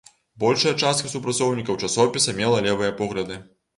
Большая частка супрацоўнікаў часопіса мела левыя погляды.